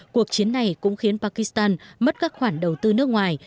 cuộc chiến này cũng khiến pakistan mất các khoản đầu tư nước ngoài